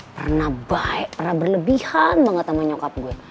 pernah baik pernah berlebihan banget sama nyokap gue